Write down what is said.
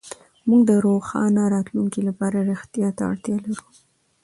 موږ د روښانه راتلونکي لپاره رښتيا ته اړتيا لرو.